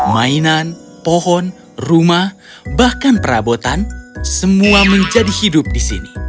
mainan pohon rumah bahkan perabotan semua menjadi hidup di sini